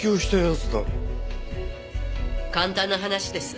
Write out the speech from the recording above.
簡単な話です。